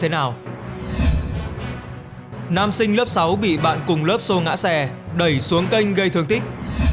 nam sinh lớp sáu bị bạn cùng lớp xô ngã xe đẩy xuống kênh gây thương tích